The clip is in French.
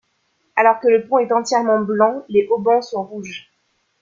Alors que le pont est entièrement blanc, les haubans sont rouges.